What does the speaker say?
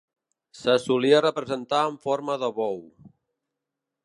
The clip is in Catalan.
Se solia representar en forma de bou.